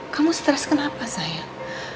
kamu stres kenapa sayang